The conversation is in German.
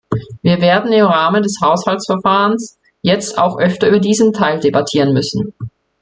Wir werden im Rahmen des Haushaltsverfahrens jetzt auch öfter über diesen Teil debattieren müssen.